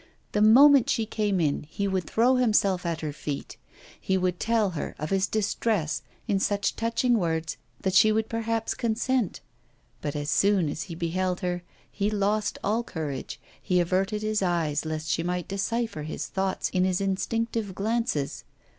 The moment she came in he would throw himself at her feet; he would tell her of his distress in such touching words that she would perhaps consent. But as soon as he beheld her, he lost all courage, he averted his eyes, lest she might decipher his thoughts in his instinctive glances.